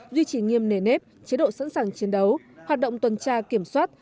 duy trì nghiêm nề nếp chế độ sẵn sàng chiến đấu hoạt động tuần tra kiểm soát